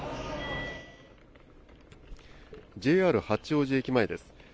ＪＲ八王子駅前です。